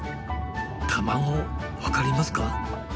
卵分かりますか？